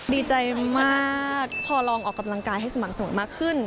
ดีใจมากพอลองออกกำลังกายให้สม่ำเสมอมากขึ้น